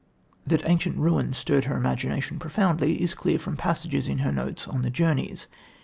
That ancient ruins stirred her imagination profoundly is clear from passages in her notes on the journeys.